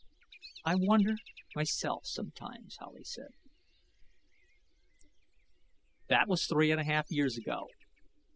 "I wonder, myself, sometimes," Howley said. That was three and a half years ago.